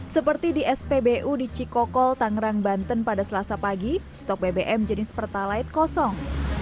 seperti di spbu di cikokol tangerang banten pada selasa pagi stok bbm jenis pertalite kosong